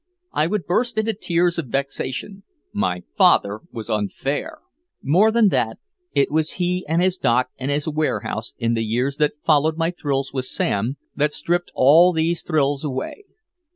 I would burst into tears of vexation. My father was unfair! More than that, it was he and his dock and his warehouse, in the years that followed my thrills with Sam, that stripped all these thrills away.